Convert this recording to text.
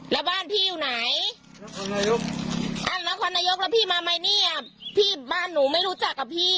แล้วบ้านพี่อยู่ไหนนครนายกอ้าวนครนายกแล้วพี่มาไหมเนี่ยพี่บ้านหนูไม่รู้จักกับพี่